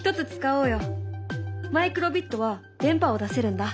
マイクロビットは電波を出せるんだ。